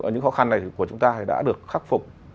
những khó khăn này của chúng ta đã được khắc phục